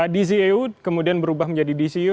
dco kemudian berubah menjadi dcu